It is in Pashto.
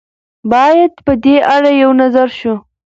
باید په دې اړه یو نظر شو.